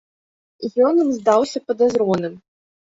Ён ім здаўся падазроным.